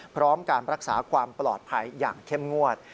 พร้อมการรักษาความปลอดภัยอย่างเข้มงวด